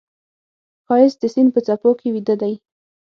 ښایست د سیند په څپو کې ویده دی